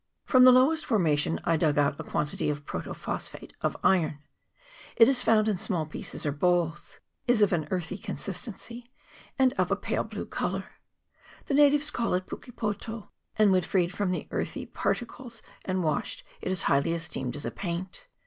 From the lowest formation I dug out a quan tity of protophosphate of iron ; it is found in small pieces or balls, is of an earthy consistence, and of a pale blue colour ; the natives call it puke poto, and when freed from the earthy particles and washed it is highly esteemed as paint.